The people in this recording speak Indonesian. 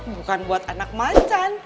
bukan buat anak mancan